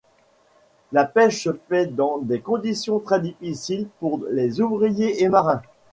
La pêche se fait dans des conditions très difficile pour les ouvriers et marins.